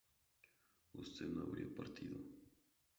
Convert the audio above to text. usted no habría partido